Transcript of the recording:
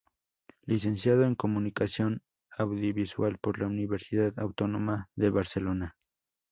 Licenciado en Comunicación audiovisual por la Universidad Autónoma de Barcelona.